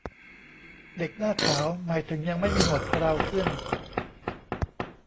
เด็กหน้าขาว หมายถึงยังไม่มีหนวดเคราขึ้น